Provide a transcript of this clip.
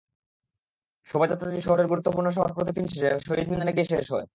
শোভাযাত্রাটি শহরের গুরুত্বপূর্ণ সড়ক প্রদক্ষিণ শেষে শহীদ মিনারে গিয়ে শেষ হয়।